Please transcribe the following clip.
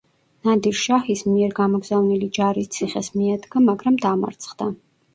ნადირ-შაჰის მიერ გამოგზავნილი ჯარი ციხეს მიადგა, მაგრამ დამარცხდა.